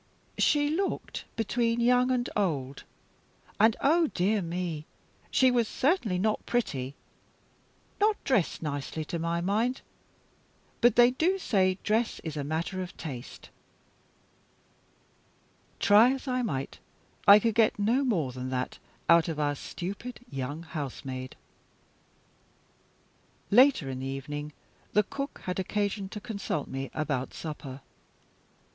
"She looked between young and old. And, oh dear me, she was certainly not pretty. Not dressed nicely, to my mind; but they do say dress is a matter of taste." Try as I might, I could get no more than that out of our stupid young housemaid. Later in the evening, the cook had occasion to consult me about supper.